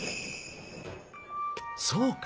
そうか！